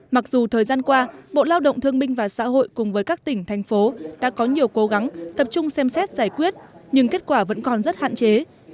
mặc dù thời gian qua bộ lao động thương minh và xã hội cùng với các tỉnh thành phố đã có nhiều cố gắng tập trung xem xét giải quyết nhưng kết quả vẫn còn rất hạn chế